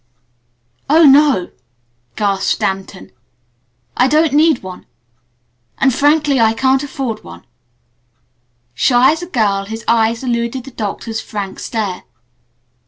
"Oh, no!" gasped Stanton. "I don't need one! And frankly I can't afford one." Shy as a girl, his eyes eluded the doctor's frank stare.